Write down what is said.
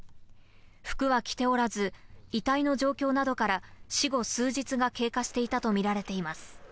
服は着ておらず、遺体の状況などから、死後数日が経過していたとみられています。